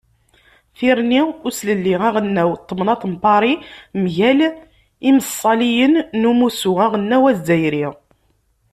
Tirni n uslelli aɣelnaw n temnaḍt n Pari mgal imssaliyen n Umussu aɣelnaw azzayri.